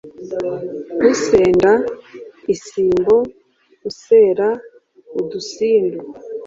Usenda isimbo usera udusindu.